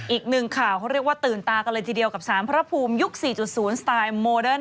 อีกหนึ่งข่าวเขาเรียกว่าตื่นตากันเลยทีเดียวกับสารพระภูมิยุค๔๐สไตล์โมเดิร์น